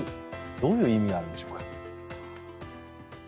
どういう意味があるんでしょうか。